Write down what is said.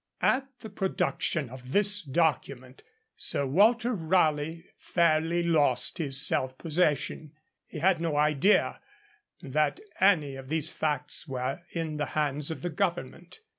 At the production of this document, Sir Walter Raleigh fairly lost his self possession. He had no idea that any of these facts were in the hands of the Government.